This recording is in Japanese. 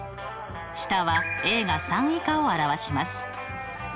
下はが３以下を表します。